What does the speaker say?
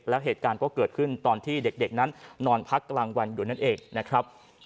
แล้วเหตุการณ์ก็เกิดขึ้นตอนที่เด็กนั้นนอนพักกลางวันอยู่นั่นเองนะครับ